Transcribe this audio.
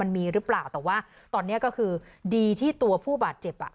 มีหรือเปล่าแต่ว่าตอนนี้ก็คือดีที่ตัวผู้บาดเจ็บอ่ะ